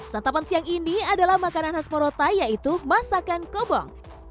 santapan siang ini adalah makanan khas morota yaitu masakan kobong